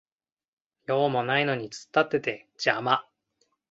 用もないのに突っ立ってて邪魔